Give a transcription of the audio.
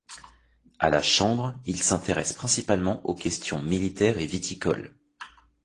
À la Chambre, il s'intéresse principalement aux questions militaires et viticoles.